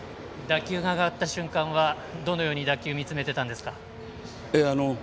打球が上がった瞬間はどのように打球を見つめていたんですか。